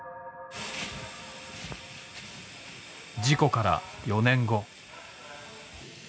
事故から４年後。